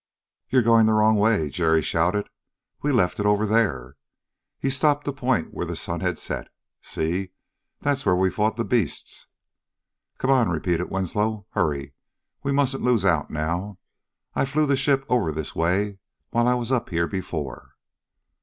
"You're going the wrong way," Jerry shouted. "We left it over there." He stopped to point where the sun had set. "See, that's where we fought the beasts " "Come on!" repeated Winslow. "Hurry! We mustn't lose out now. I flew the ship over this way while I was up here before."